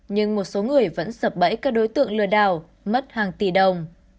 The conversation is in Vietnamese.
nhưng một số người vẫn sập bẫy các đối tượng lừa đảo mất hàng tỷ đồng